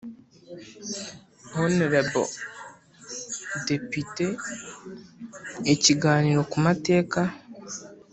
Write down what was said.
Honorable Depute Ikiganiro ku mateka